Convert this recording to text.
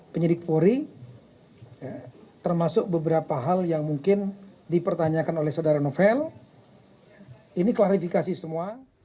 penyidik polri termasuk beberapa hal yang mungkin dipertanyakan oleh saudara novel ini klarifikasi semua